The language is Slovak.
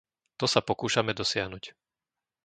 To sa pokúšame dosiahnuť.